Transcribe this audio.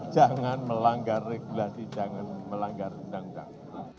jangan melanggar regulasi jangan melanggar undang undang